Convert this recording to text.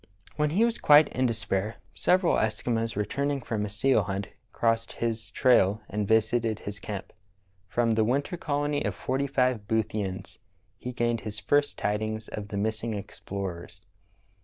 When he was quite in despair, several Eskimos re turning from a seal hunt crossed his trail and visited his camp. From the winter colony of forty five Boothians he gained his first tidings of the missing explorers.